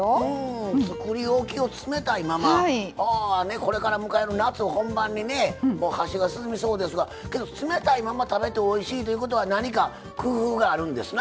これから迎える夏本番にね箸が進みそうですがけど冷たいまま食べておいしいということは何か工夫があるんですな？